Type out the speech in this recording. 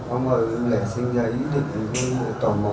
em lại sinh ra ý định tò mò